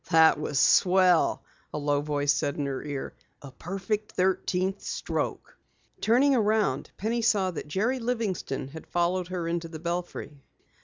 "That was swell!" a low voice said in her ear. "A perfect thirteenth stroke!" Turning around, Penny saw that Jerry Livingston had followed her into the belfry.